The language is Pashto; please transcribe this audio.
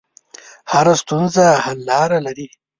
هره ستونزه حل لاره لري.